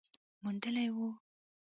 موندلې وه